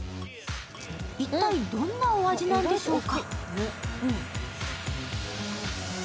一体どんなお味なんでしょうか。